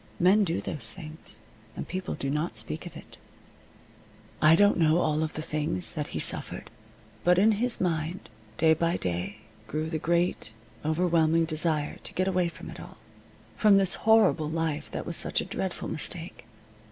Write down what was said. Men do those things, and people do not speak of it. I don't know all the things that he suffered. But in his mind, day by day, grew the great, overwhelming desire to get away from it all from this horrible life that was such a dreadful mistake.